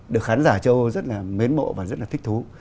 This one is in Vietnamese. được khán giả châu âu rất là mến mộ và rất là thích thú